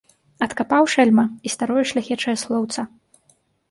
Адкапаў, шэльма, і старое шляхечае слоўца.